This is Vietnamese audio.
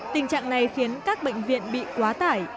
tình trạng này khiến các bệnh viện bị quá tải